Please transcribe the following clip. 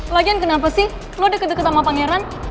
lagian kenapa sih lo deket deket sama pangeran